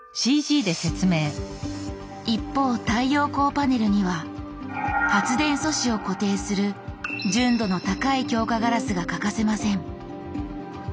一方太陽光パネルには発電素子を固定する純度の高い強化ガラスが欠かせません。